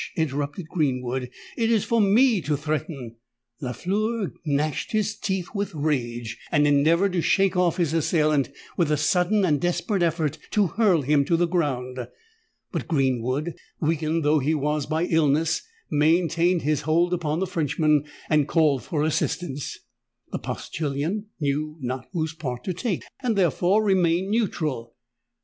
interrupted Greenwood: "it is for me to threaten!" Lafleur gnashed his teeth with rage, and endeavoured to shake off his assailant with a sudden and desperate effort to hurl him to the ground. But Greenwood, weakened though he was by illness, maintained his hold upon the Frenchman, and called for assistance. The postillion knew not whose part to take, and therefore remained neutral.